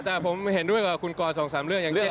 แต่ผมเห็นด้วยกับคุณกรสองสามเรื่อง